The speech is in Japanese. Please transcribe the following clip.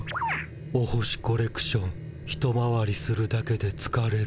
お星コレクション一回りするだけでつかれる。